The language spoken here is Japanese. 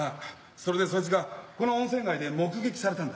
それでそいつがこの温泉街で目撃されたんだ。